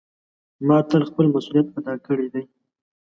ما تل خپل مسؤلیت ادا کړی ده.